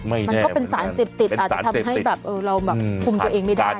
มันก็เป็นสารเสพติดอาจจะทำให้แบบเราแบบคุมตัวเองไม่ได้